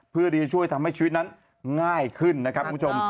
เพื่อที่จะช่วยทำให้ชีวิตนั้นง่ายขึ้นนะครับคุณผู้ชม